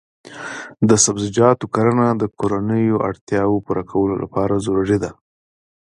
د سبزیجاتو کرنه د کورنیو اړتیاوو پوره کولو لپاره ضروري ده.